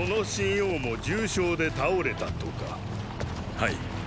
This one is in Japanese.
はい。